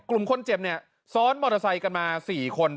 กลุ่มคนเจ็บเนี่ยซ้อนมอเตอร์ไซค์กันมา๔คน